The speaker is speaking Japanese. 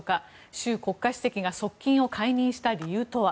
習国家主席が側近を解任した理由とは。